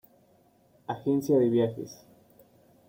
Agencia de viajes